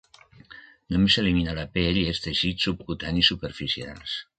Només s'elimina la pell i els teixits subcutanis superficials.